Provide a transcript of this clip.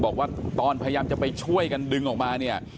บอกว่าตอนพยายามจะไปช่วยกันดึงออกมาเนี่ย